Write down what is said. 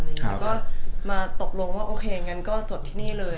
แล้วก็มาตกลงว่าโอเคงั้นก็จดที่นี่เลย